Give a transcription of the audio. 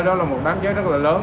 đó là một đám cháy rất là lớn